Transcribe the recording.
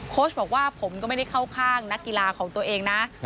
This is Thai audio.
ชบอกว่าผมก็ไม่ได้เข้าข้างนักกีฬาของตัวเองนะ